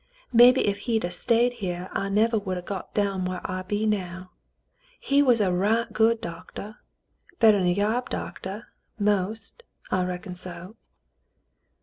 Maybe ef he'd 'a' stayed here I nevah would 'a' got down whar I be now. He was a right good doctah, bettah'n a yarb doctah — most — I reckon so."